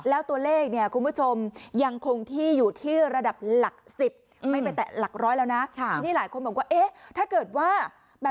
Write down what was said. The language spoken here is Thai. แล้วตัวเลขเนี่ยคุณผู้ชมยังคงที่อยู่ที่ระดับหลัก๑๐ไม่ไปแตะหลักร้อยแล้วนะ